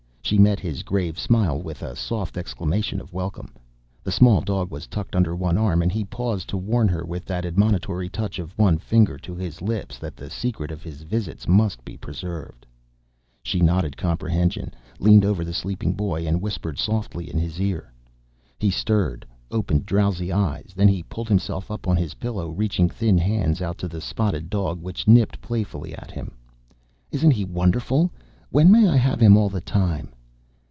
She met his grave smile with a soft exclamation of welcome. The small dog was tucked under one arm and he paused to warn her with that admonitory touch of one finger to his lips that the secret of his visits must be preserved. She nodded comprehension, leaned over the sleeping boy and whispered softly in his ear. He stirred, opened drowsy eyes. Then he pulled himself up on his pillow, reaching thin hands out to the spotted dog which nipped playfully at him. "Isn't he wonderful? When may I have him all the time?"